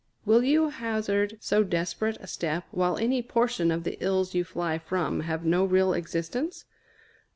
Will you hazard so desperate a step, while any portion of the ills you fly from have no real existence?